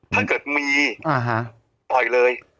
ถ้าเกิดมีปล่อยเลย